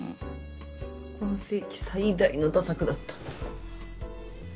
今世紀最大の駄作だった。